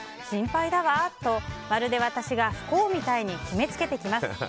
心配だわとまるで私が不幸みたいに決めつけてきます。